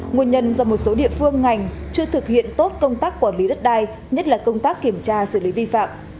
nguyên nhân do một số địa phương ngành chưa thực hiện tốt công tác quản lý đất đai nhất là công tác kiểm tra xử lý vi phạm